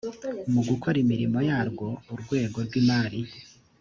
mu gukora imirimo yarwo urwego rw imari